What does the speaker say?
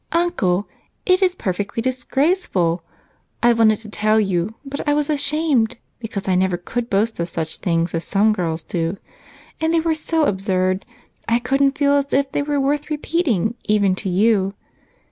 "Uncle, it is perfectly disgraceful! I've wanted to tell you, but I was ashamed, because I never could boast of such things as some girls do, and they were so absurd I couldn't feel as if they were worth repeating even to you.